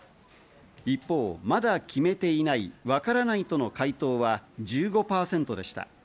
一方、まだ決めていない、わからないとの回答が１５％でした。